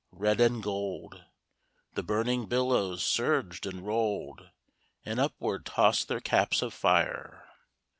Red and gold The burning billows surged and rolled, And upward tossed their caps of fire.